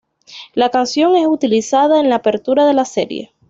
La canción es utilizada en la apertura de la serie.